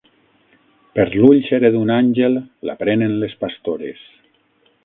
Per l'ull serè d'un àngel la prenen les pastores.